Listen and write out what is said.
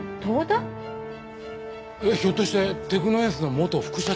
ひょっとしてテクノエンスの元副社長？